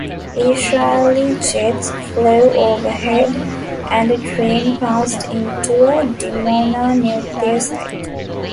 Israeli Jets flew overhead, and a train passed into the Dimona nuclear site.